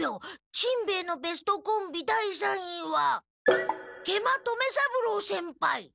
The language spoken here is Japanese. しんべヱのベストコンビ第三位は食満留三郎先輩。